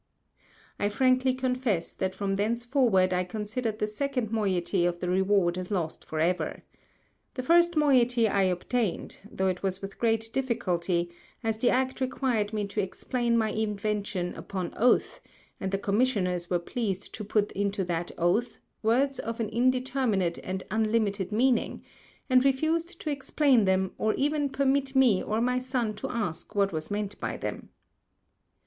I frankly confess that from thenceforward I considered the second Moiety of the Reward as lost for ever. The first Moiety I obtained, thoŌĆÖ it was with great Difficulty, as the Act required me to explain my Invention upon Oath, and the Commissioners were pleased to put into that Oath, Words of an indeterminate and unlimited Meaning, and refused to explain them, or even permit me or my Son to ask what was meant by them.